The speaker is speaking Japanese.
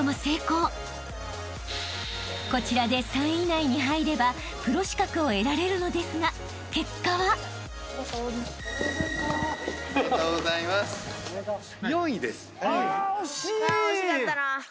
［こちらで３位以内に入ればプロ資格を得られるのですが結果は］おめでとうございます。